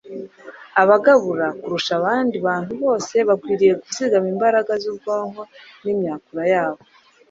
abagabura, kurusha abandi bantu bose, bakwiriye kuzigama imbaraga z'ubwonko n'imyakura yabo